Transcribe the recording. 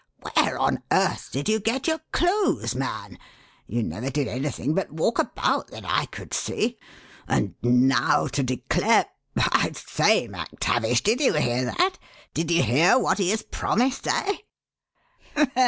Where on earth did you get your clues, man? You never did anything but walk about that I could see; and now to declare I say, MacTavish, did you hear that? Did you hear what he has promised eh?"